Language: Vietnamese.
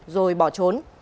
rồi bỏ trốn